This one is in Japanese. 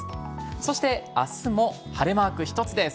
そしてあすも晴れマーク１つです。